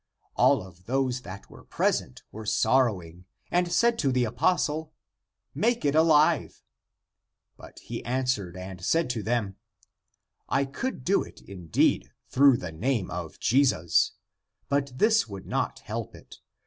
All of those that were present were sorrowing, and said to the apostle, " Make it alive." And he an swered and said to them, " I could do it indeed through the name of Jesus. But this would not help it.